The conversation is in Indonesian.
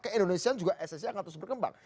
keindonesian juga esensi akan terus berkembang